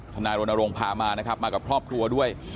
หนาวนรงค์พามานะครับมากับพ่อพทัวร์ด้วย